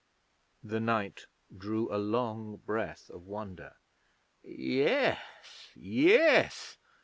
The knight drew a long breath of wonder. 'Yes, yes!